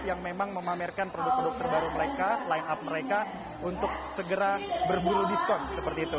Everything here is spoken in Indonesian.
yang memang memamerkan produk produk terbaru mereka line up mereka untuk segera berburu diskon seperti itu